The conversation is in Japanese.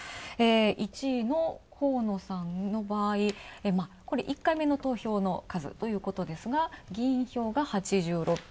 １位の河野さんの場合、１回目の投票の数ということですが議員票が８６票。